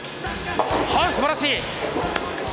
すばらしい。